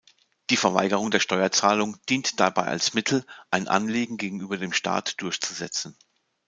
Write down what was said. Die Verweigerung der Steuerzahlung dient dabei als Mittel, ein Anliegen gegenüber dem Staat durchzusetzen.